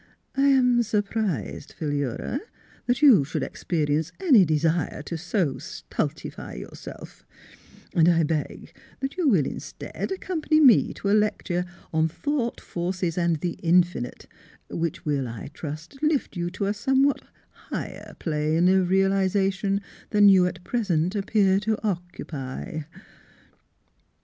I am sur prised, Philura, that you should experience any desire to so stultify yourself; and I beg that you will, instead, accompany me to a lecture on * Thought Forces and the Infinite,' which will, I trust, lift you to a somewhat higher plane of real isation than you at present appear to occupy."